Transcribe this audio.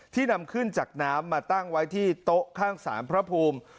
นำขึ้นจากน้ำมาตั้งไว้ที่โต๊ะข้างสารพระภูมิ